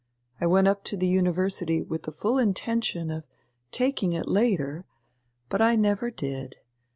I went up to the university with the full intention of taking it later, but I never did.